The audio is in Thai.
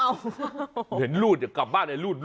เหมือนหลูดงับบ้านเลยหลูด